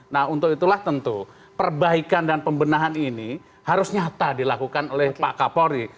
nah untuk itulah tentu perbaikan dan pembenahan ini harus nyata dilakukan oleh pak kapolri